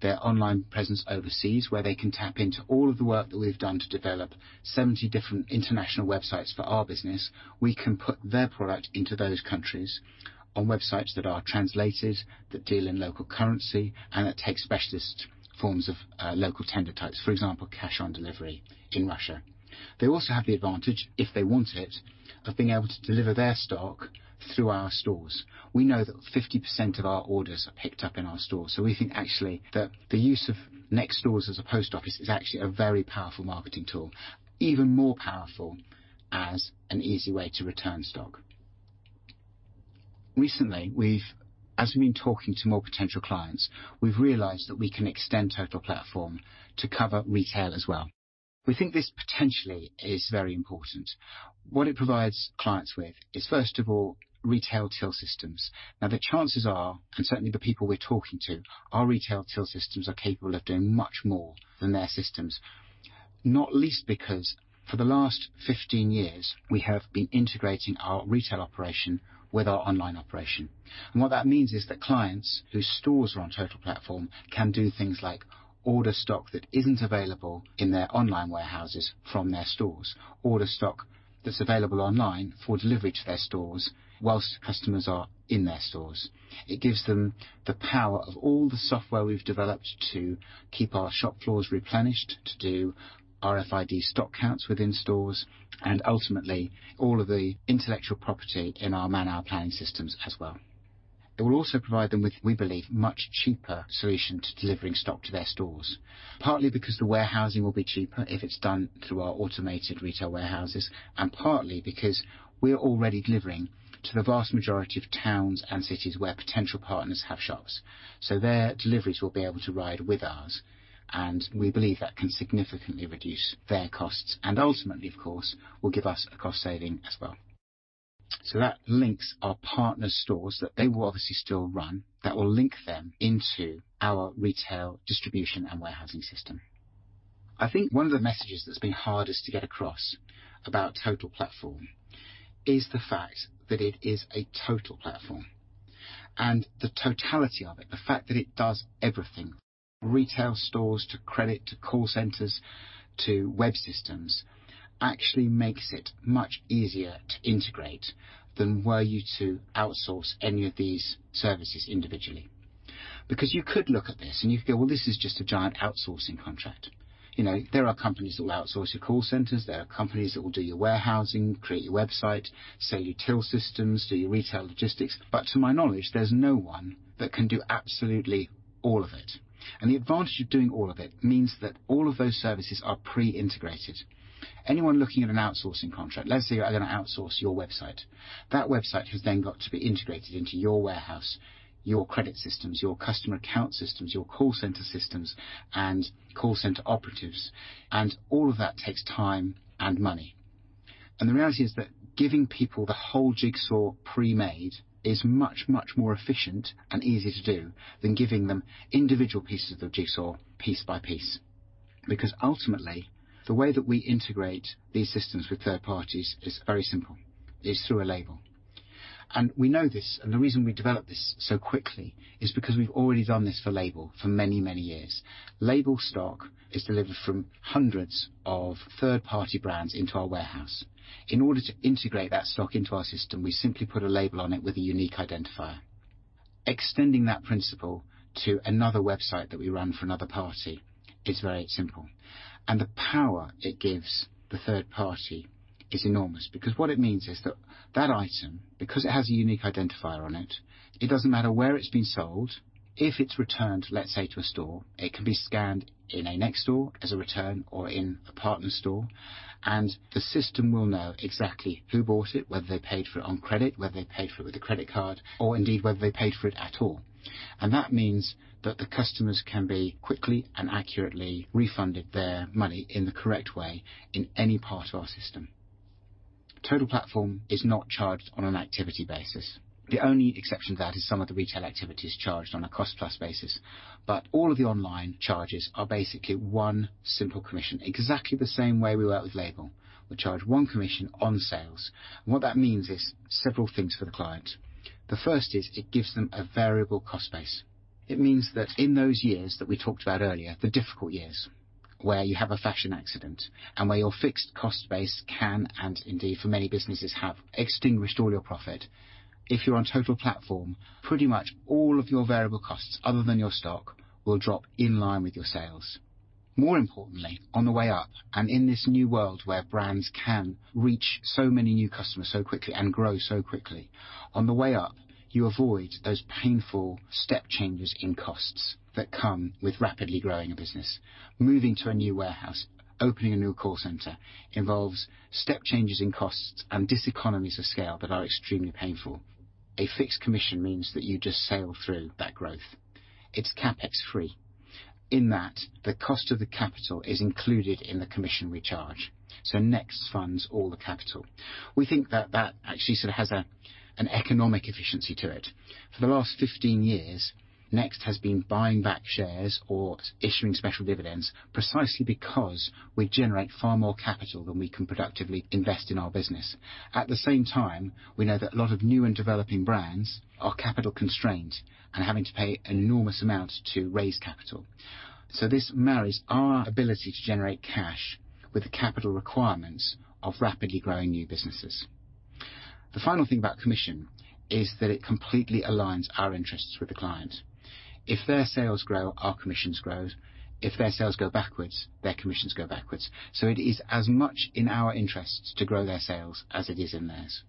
Speaker 1: their online presence overseas, where they can tap into all of the work that we've done to develop 70 different international websites for our business. We can put their product into those countries on websites that are translated, that deal in local currency, and that take specialist forms of local tender types, for example, cash on delivery in Russia. They also have the advantage, if they want it, of being able to deliver their stock through our stores. We know that 50% of our orders are picked up in our stores, so we think actually that the use of NEXT stores as a post office is actually a very powerful marketing tool, even more powerful as an easy way to return stock. Recently, as we've been talking to more potential clients, we've realized that we can extend Total Platform to cover retail as well. We think this potentially is very important. What it provides clients with is, first of all, retail till systems. Now, the chances are, and certainly the people we're talking to, our retail till systems are capable of doing much more than their systems. Not least because for the last 15 years, we have been integrating our retail operation with our online operation. What that means is that clients whose stores are on Total Platform can do things like order stock that isn't available in their online warehouses from their stores, order stock that's available online for delivery to their stores whilst customers are in their stores. It gives them the power of all the software we've developed to keep our shop floors replenished, to do RFID stock counts within stores, and ultimately, all of the intellectual property in our manpower planning systems as well. It will also provide them with, we believe, much cheaper solution to delivering stock to their stores, partly because the warehousing will be cheaper if it's done through our automated retail warehouses, and partly because we're already delivering to the vast majority of towns and cities where potential partners have shops. Their deliveries will be able to ride with ours, and we believe that can significantly reduce their costs and ultimately, of course, will give us a cost saving as well. That links our partners' stores that they will obviously still run, that will link them into our retail distribution and warehousing system. I think one of the messages that's been hardest to get across about Total Platform is the fact that it is a Total Platform. The totality of it, the fact that it does everything, from retail stores to credit, to call centers, to web systems, actually makes it much easier to integrate than were you to outsource any of these services individually. You could look at this and you feel, well, this is just a giant outsourcing contract. There are companies that will outsource your call centers, there are companies that will do your warehousing, create your website, sell your till systems, do your retail logistics, but to my knowledge, there's no one that can do absolutely all of it. The advantage of doing all of it means that all of those services are pre-integrated. Anyone looking at an outsourcing contract, let's say you are going to outsource your website. That website has then got to be integrated into your warehouse, your credit systems, your customer account systems, your call center systems and call center operatives, and all of that takes time and money. The reality is that giving people the whole jigsaw pre-made is much, much more efficient and easier to do than giving them individual pieces of the jigsaw piece by piece. Ultimately, the way that we integrate these systems with third parties is very simple, is through a Label. We know this, and the reason we developed this so quickly is because we've already done this for Label for many, many years. Label stock is delivered from hundreds of third-party brands into our warehouse. In order to integrate that stock into our system, we simply put a label on it with a unique identifier. Extending that principle to another website that we run for another party is very simple, and the power it gives the third party is enormous because what it means is that that item, because it has a unique identifier on it doesn't matter where it's been sold, if it's returned, let's say to a store, it can be scanned in a NEXT store as a return or in a partner store, and the system will know exactly who bought it, whether they paid for it on credit, whether they paid for it with a credit card, or indeed whether they paid for it at all. That means that the customers can be quickly and accurately refunded their money in the correct way in any part of our system. Total Platform is not charged on an activity basis. The only exception to that is some of the retail activity is charged on a cost-plus basis, but all of the online charges are basically one simple commission, exactly the same way we work with Label. We charge one commission on sales. What that means is several things for the client. The first is it gives them a variable cost base. It means that in those years that we talked about earlier, the difficult years where you have a fashion accident and where your fixed cost base can and indeed for many businesses have extinguished all your profit. If you're on Total Platform, pretty much all of your variable costs other than your stock will drop in line with your sales. More importantly, on the way up and in this new world where brands can reach so many new customers so quickly and grow so quickly, on the way up, you avoid those painful step changes in costs that come with rapidly growing a business. Moving to a new warehouse, opening a new call center involves step changes in costs and diseconomies of scale that are extremely painful. A fixed commission means that you just sail through that growth. It's CapEx free, in that the cost of the capital is included in the commission we charge. NEXT funds all the capital. We think that that actually sort of has an economic efficiency to it. For the last 15 years, NEXT has been buying back shares or issuing special dividends precisely because we generate far more capital than we can productively invest in our business. At the same time, we know that a lot of new and developing brands are capital constrained and having to pay enormous amounts to raise capital. This marries our ability to generate cash with the capital requirements of rapidly growing new businesses. The final thing about commission is that it completely aligns our interests with the client. If their sales grow, our commissions grows. If their sales go backwards, their commissions go backwards. It is as much in our interest to grow their sales as it is in theirs.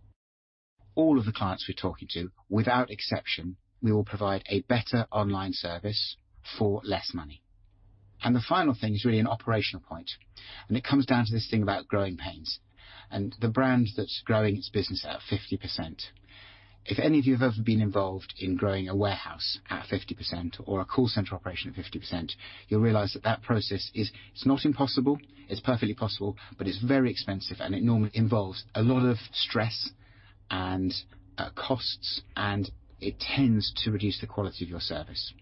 Speaker 1: All of the clients we're talking to, without exception, we will provide a better online service for less money. The final thing is really an operational point, and it comes down to this thing about growing pains and the brand that's growing its business at 50%. If any of you have ever been involved in growing a warehouse at 50% or a call center operation at 50%, you'll realize that process is not impossible. It's perfectly possible, but it's very expensive and it normally involves a lot of stress and costs, and it tends to reduce the quality of your service.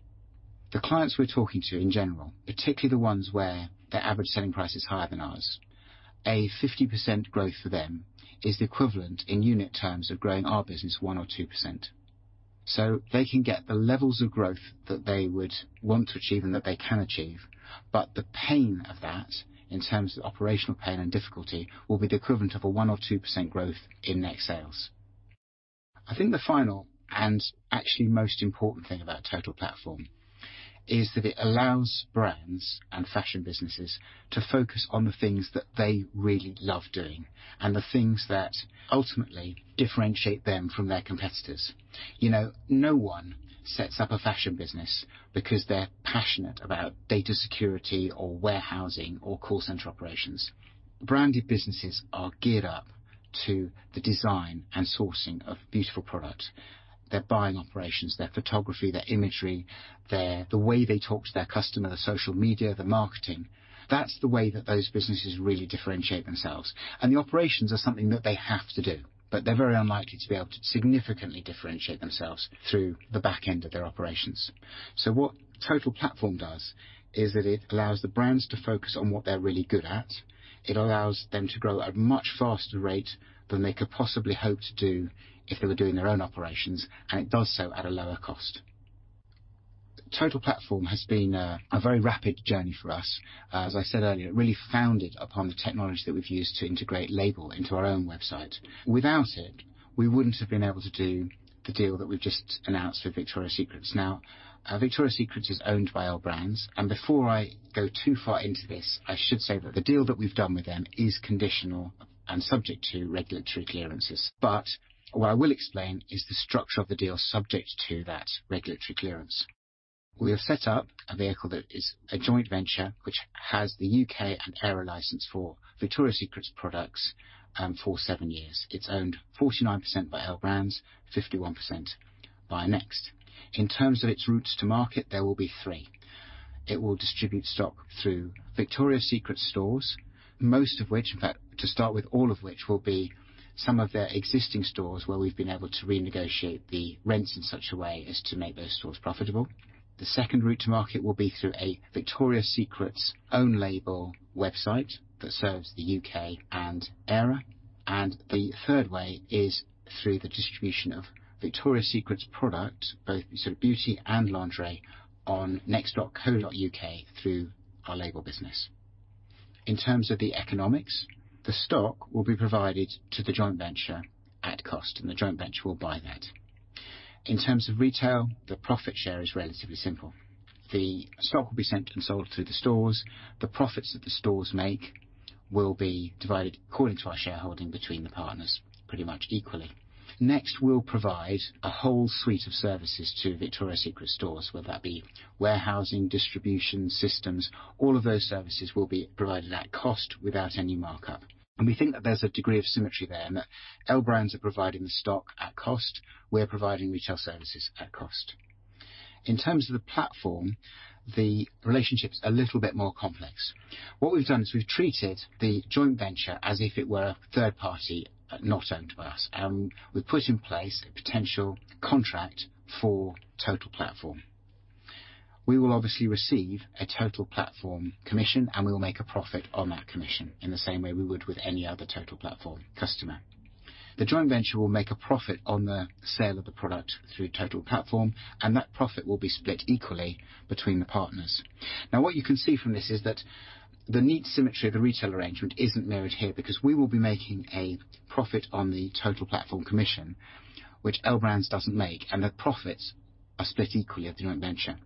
Speaker 1: The clients we're talking to in general, particularly the ones where their average selling price is higher than ours, a 50% growth for them is the equivalent in unit terms of growing our business one or two percent. They can get the levels of growth that they would want to achieve and that they can achieve. The pain of that in terms of operational pain and difficulty will be the equivalent of a one or two percent growth in net sales. I think the final and actually most important thing about Total Platform is that it allows brands and fashion businesses to focus on the things that they really love doing and the things that ultimately differentiate them from their competitors. No one sets up a fashion business because they're passionate about data security or warehousing or call center operations. Branded businesses are geared up to the design and sourcing of beautiful product. Their buying operations, their photography, their imagery, the way they talk to their customer, the social media, the marketing. That's the way that those businesses really differentiate themselves. The operations are something that they have to do, but they're very unlikely to be able to significantly differentiate themselves through the back end of their operations. What Total Platform does is that it allows the brands to focus on what they're really good at. It allows them to grow at a much faster rate than they could possibly hope to do if they were doing their own operations, and it does so at a lower cost. Total Platform has been a very rapid journey for us. As I said earlier, it really founded upon the technology that we've used to integrate Label into our own website. Without it, we wouldn't have been able to do the deal that we've just announced with Victoria's Secret. Victoria's Secret is owned by L Brands, and before I go too far into this, I should say that the deal that we've done with them is conditional and subject to regulatory clearances. What I will explain is the structure of the deal subject to that regulatory clearance. We have set up a vehicle that is a joint venture, which has the U.K. and Eire license for Victoria's Secret's products for seven years. It's owned 49% by L Brands, 51% by NEXT. In terms of its routes to market, there will be three. It will distribute stock through Victoria's Secret stores, most of which, in fact, to start with, all of which will be some of their existing stores where we've been able to renegotiate the rents in such a way as to make those stores profitable. The second route to market will be through a Victoria's Secret's own label website that serves the U.K. and Eire. The third way is through the distribution of Victoria's Secret's product, both beauty and lingerie, on next.co.uk through our Label business. In terms of the economics, the stock will be provided to the joint venture at cost, and the joint venture will buy that. In terms of retail, the profit share is relatively simple. The stock will be sent and sold through the stores. The profits that the stores make will be divided according to our shareholding between the partners pretty much equally. NEXT will provide a whole suite of services to Victoria's Secret stores, whether that be warehousing, distribution systems. All of those services will be provided at cost without any markup. We think that there's a degree of symmetry there and that L Brands are providing the stock at cost, we're providing retail services at cost. In terms of the platform, the relationship's a little bit more complex. What we've done is we've treated the joint venture as if it were a third party, not owned by us, and we've put in place a potential contract for Total Platform. We will obviously receive a Total Platform commission, and we will make a profit on that commission in the same way we would with any other Total Platform customer. The joint venture will make a profit on the sale of the product through Total Platform, and that profit will be split equally between the partners. Now, what you can see from this is that the neat symmetry of the retail arrangement isn't mirrored here because we will be making a profit on the Total Platform commission, which L Brands doesn't make, and the profits are split equally at the joint venture.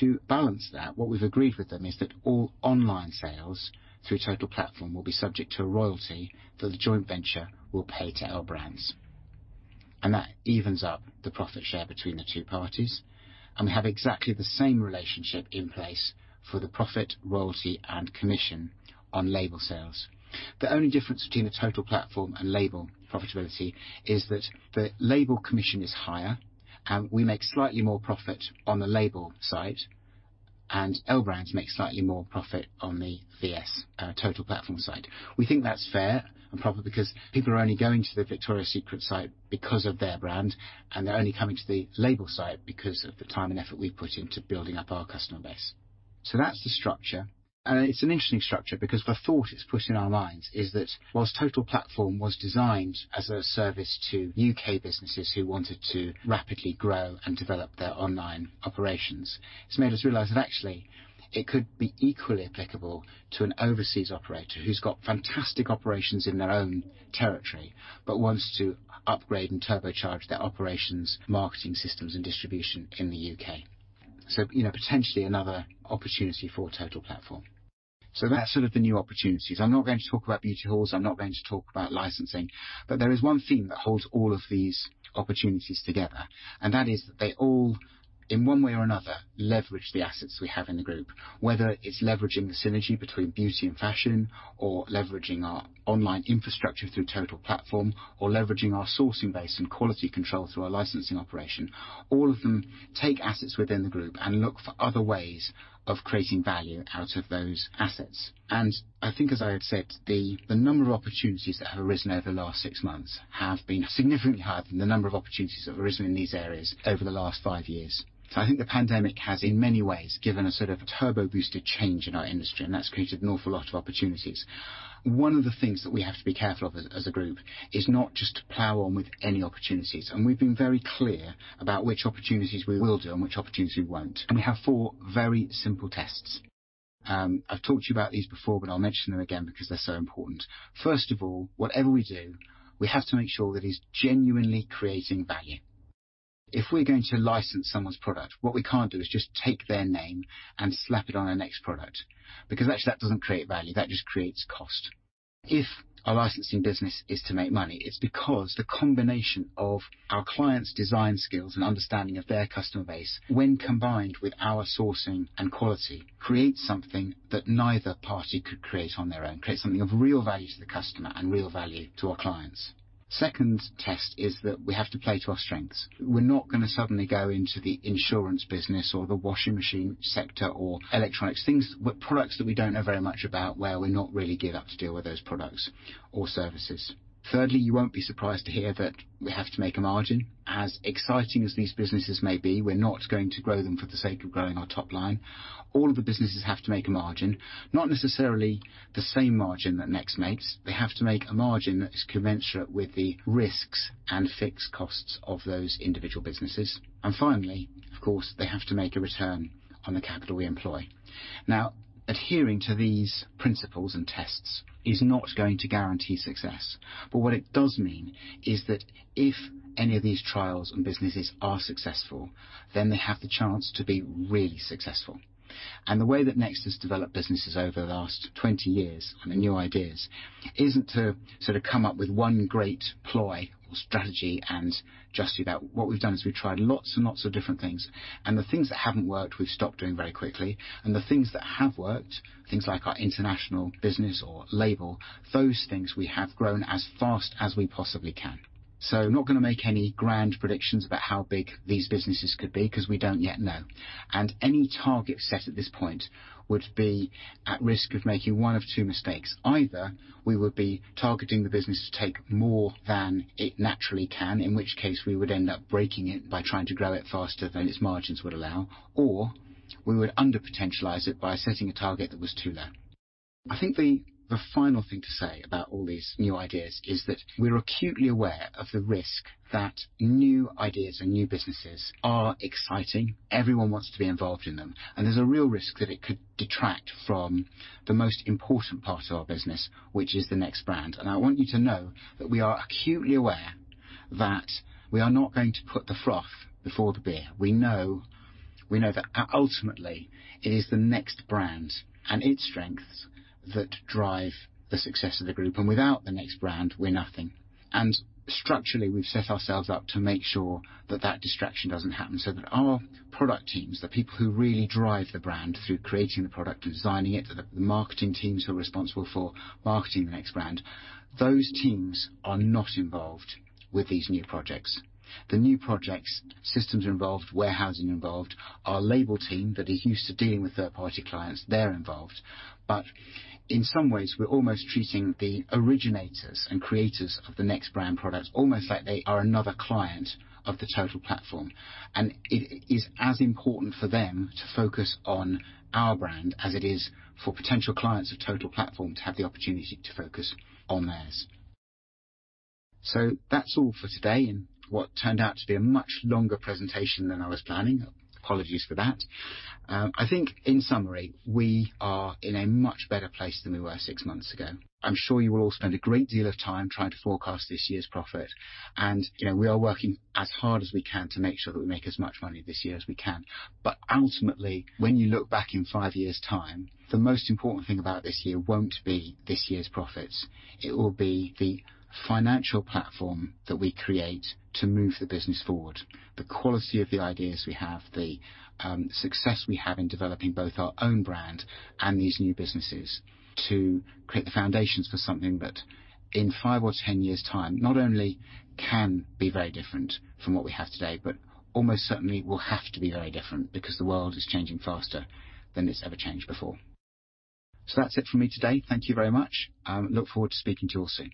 Speaker 1: To balance that, what we've agreed with them is that all online sales through Total Platform will be subject to a royalty that the joint venture will pay to L Brands. That evens up the profit share between the two parties. We have exactly the same relationship in place for the profit, royalty, and commission on Label sales. The only difference between the Total Platform and Label profitability is that the Label commission is higher, and we make slightly more profit on the Label side, and L Brands make slightly more profit on the VS Total Platform side. We think that's fair and proper because people are only going to the Victoria's Secret site because of their brand, they're only coming to the Label site because of the time and effort we've put into building up our customer base. That's the structure. It's an interesting structure because the thought it's put in our minds is that whilst Total Platform was designed as a service to U.K. businesses who wanted to rapidly grow and develop their online operations, it's made us realize that actually it could be equally applicable to an overseas operator who's got fantastic operations in their own territory but wants to upgrade and turbocharge their operations, marketing systems, and distribution in the U.K. Potentially another opportunity for Total Platform. That's sort of the new opportunities. I'm not going to talk about Beauty Halls, I'm not going to talk about licensing, but there is one theme that holds all of these opportunities together, and that is they all, in one way or another, leverage the assets we have in the group, whether it's leveraging the synergy between beauty and fashion or leveraging our online infrastructure through Total Platform or leveraging our sourcing base and quality control through our licensing operation. All of them take assets within the group and look for other ways of creating value out of those assets. I think, as I have said, the number of opportunities that have arisen over the last six months have been significantly higher than the number of opportunities that have arisen in these areas over the last five years. I think the pandemic has, in many ways, given a sort of turbo booster change in our industry, and that's created an awful lot of opportunities. One of the things that we have to be careful of as a group is not just to plow on with any opportunities. We've been very clear about which opportunities we will do and which opportunities we won't. We have four very simple tests. I've talked to you about these before, but I'll mention them again because they're so important. First of all, whatever we do, we have to make sure that it's genuinely creating value. If we're going to license someone's product, what we can't do is just take their name and slap it on a NEXT product, because actually that doesn't create value. That just creates cost. If our licensing business is to make money, it's because the combination of our clients' design skills and understanding of their customer base when combined with our sourcing and quality creates something that neither party could create on their own, creates something of real value to the customer and real value to our clients. Second test is that we have to play to our strengths. We're not going to suddenly go into the insurance business or the washing machine sector or electronics, products that we don't know very much about where we're not really geared up to deal with those products or services. Thirdly, you won't be surprised to hear that we have to make a margin. As exciting as these businesses may be, we're not going to grow them for the sake of growing our top line. All of the businesses have to make a margin, not necessarily the same margin that NEXT makes. They have to make a margin that is commensurate with the risks and fixed costs of those individual businesses. Finally, of course, they have to make a Return on Capital Employed. Adhering to these principles and tests is not going to guarantee success. What it does mean is that if any of these trials and businesses are successful, then they have the chance to be really successful. The way that NEXT has developed businesses over the last 20 years, and the new ideas, isn't to sort of come up with one great ploy or strategy and just do that. What we've done is we've tried lots and lots of different things, and the things that haven't worked, we've stopped doing very quickly, and the things that have worked, things like our international business or Label, those things we have grown as fast as we possibly can. I'm not going to make any grand predictions about how big these businesses could be because we don't yet know. Any target set at this point would be at risk of making one of two mistakes. Either we would be targeting the business to take more than it naturally can, in which case we would end up breaking it by trying to grow it faster than its margins would allow, or we would under-potentialize it by setting a target that was too low. I think the final thing to say about all these new ideas is that we're acutely aware of the risk that new ideas and new businesses are exciting. Everyone wants to be involved in them, there's a real risk that it could detract from the most important part of our business, which is the NEXT brand. I want you to know that we are acutely aware that we are not going to put the froth before the beer. We know that ultimately it is the NEXT brand and its strengths that drive the success of the group, without the NEXT brand, we're nothing. Structurally, we've set ourselves up to make sure that that distraction doesn't happen, so that our product teams, the people who really drive the brand through creating the product, designing it, the marketing teams who are responsible for marketing the NEXT brand, those teams are not involved with these new projects. The new projects, systems are involved, warehousing involved, our Label team that is used to dealing with third-party clients, they're involved. In some ways, we're almost treating the originators and creators of the NEXT brand products almost like they are another client of the Total Platform. It is as important for them to focus on our brand as it is for potential clients of Total Platform to have the opportunity to focus on theirs. That's all for today in what turned out to be a much longer presentation than I was planning. Apologies for that. I think in summary, we are in a much better place than we were six months ago. I'm sure you will all spend a great deal of time trying to forecast this year's profit, and we are working as hard as we can to make sure that we make as much money this year as we can. Ultimately, when you look back in five years' time, the most important thing about this year won't be this year's profits. It will be the financial platform that we create to move the business forward, the quality of the ideas we have, the success we have in developing both our own brand and these new businesses to create the foundations for something that in five or 10 years' time, not only can be very different from what we have today, but almost certainly will have to be very different because the world is changing faster than it's ever changed before. That's it for me today. Thank you very much. Look forward to speaking to you all soon.